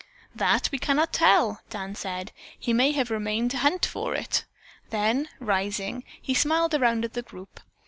"That we cannot tell," Dan said. "He may have remained to hunt for it." Then, rising, he smiled around at the group.